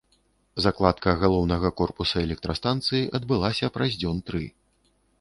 Закладка галоўнага корпуса электрастанцыі адбылася праз дзён тры.